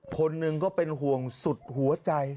คนหนึ่งก็เป็นห่วงสุดหัวใจ